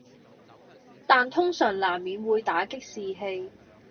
但通常難免會打擊士氣